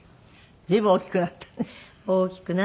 随分大きくなったね。